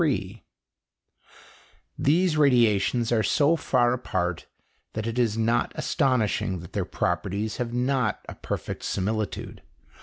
] These radiations are so far apart that it is not astonishing that their properties have not a perfect similitude.